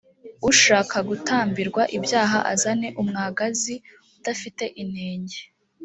ushaka gutambirwa ibyaha azane umwagazi udafite inenge